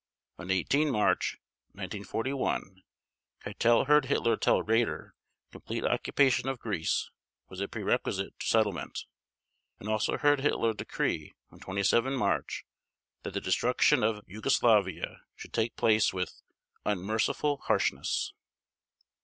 On 18 March 1941 Keitel heard Hitler tell Raeder complete occupation of Greece was a prerequisite to settlement, and also heard Hitler decree on 27 March that the destruction of Yugoslavia should take place with "unmerciful harshness."